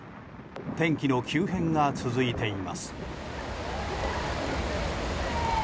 天気の急変が続いています。